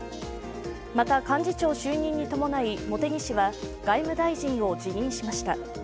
また幹事長就任に伴い、茂木氏は外務大臣を辞任しました。